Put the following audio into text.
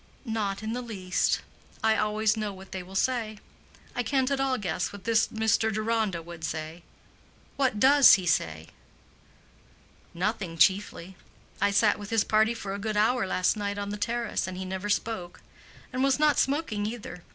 "Not in the least. I always know what they will say. I can't at all guess what this Mr. Deronda would say. What does he say?" "Nothing, chiefly. I sat with his party for a good hour last night on the terrace, and he never spoke—and was not smoking either.